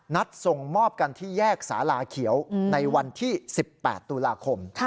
ส่งมอบกันที่แยกสาลาเขียวในวันที่๑๘ตุลาคม